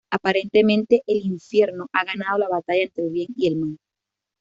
Aparentemente el infierno ha ganado la batalla entre el Bien y el Mal.